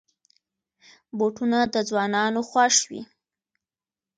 بوټونه د ځوانانو خوښ وي.